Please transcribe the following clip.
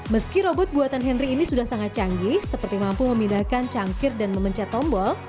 meski robot buatan henry ini sudah sangat canggih seperti mampu memindahkan cangkir dan memencet tombol